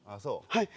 はい。